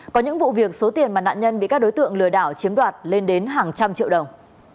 có những vụ việc số tiền mà nạn nhân bị các đối tượng lừa đảo chiếm đoạt lên đến hàng trăm triệu đồng